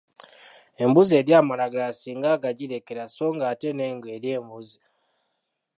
Embuzi erya amalagala singa agagirekera sso ng'ate n'engo erya embuzi.